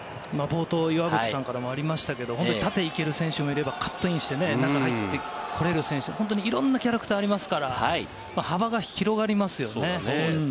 冒頭、岩渕さんからもありましたが、縦をいける選手もいれば、中に入れる選手もいる、いろんなキャラクターがありますから、幅が広がりますよね。